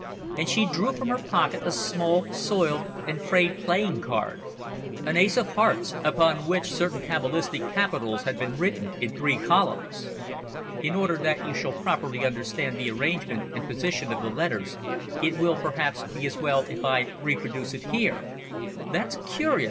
And she drew from her pocket a small, soiled and frayed playing card, an ace of hearts, upon which certain cabalistic capitals had been written in three columns. In order that you shall properly understand the arrangement and position of the letters, it will perhaps be as well if I here reproduce it: "That's curious!"